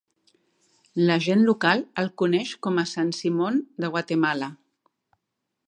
La gent local el coneix com a San Simón de Guatemala.